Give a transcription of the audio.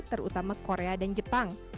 terutama korea dan jepang